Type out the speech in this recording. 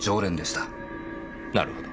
なるほど。